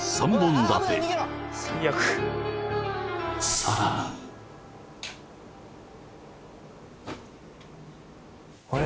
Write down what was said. さらにあれ？